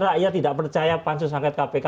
rakyat tidak percaya pansu sangkat kpk